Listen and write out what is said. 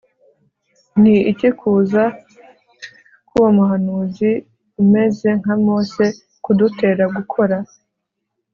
Ni iki kuza k uwo muhanuzi umeze nka Mose kudutera gukora